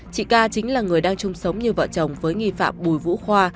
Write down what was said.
chị ca chính là người đang chung sống như vợ chồng với nghi phạm bùi vũ khoa